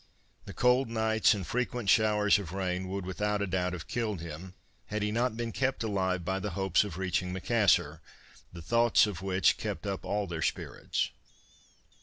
The cold nights and frequent showers of rain would without doubt have killed him, had he not been kept alive by the hopes of reaching Macassar, the thoughts of which kept up all their spirits.